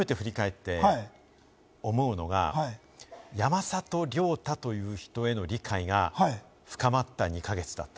改めて振り返って思うのが、山里亮太という人への理解が深まった２か月だった。